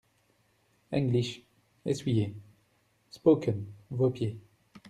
English, essuyez… spoken, vos pieds.